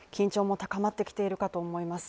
緊張も高まってきているかと思います。